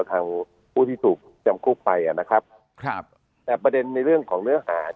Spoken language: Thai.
ของผู้ที่ถูกจำกลุ่มไปแต่ประเด็นในเรื่องของเนื้อหา